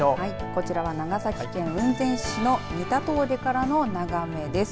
こちらは長崎県雲仙市の仁田峠からの眺めです。